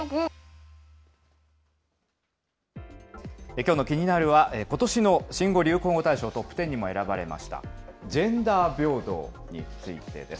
きょうのキニナル！は、ことしの新語・流行語大賞トップ１０にも選ばれましたジェンダー平等についてです。